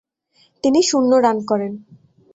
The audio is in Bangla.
তিনি শূন্য রান করেন।